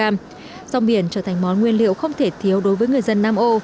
rong biển trở thành món nguyên liệu không thể thiếu đối với người dân nam âu